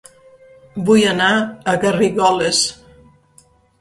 Vull anar a Garrigoles